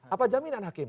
apa jaminan hakim